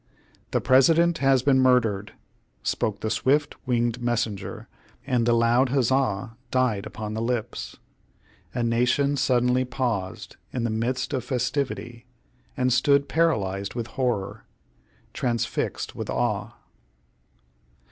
"The President has been murdered!" spoke the swift winged messenger, and the loud huzza died upon the lips. A nation suddenly paused in the midst of festivity, and stood paralyzed with horror transfixed with awe.